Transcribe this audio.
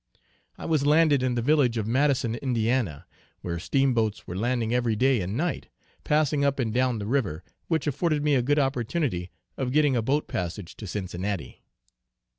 I was landed in the village of Madison, Indiana, where steamboats were landing every day and night, passing up and down the river, which afforded me a good opportunity of getting a boat passage to Cincinnati.